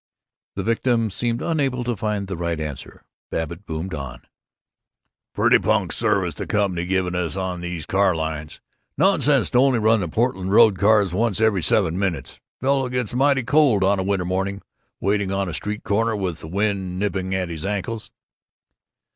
The victim seemed unable to find the right answer. Babbitt boomed on: "Pretty punk service the Company giving us on these carlines. Nonsense to only run the Portland Road cars once every seven minutes. Fellow gets mighty cold on a winter morning, waiting on a street corner with the wind nipping at his ankles."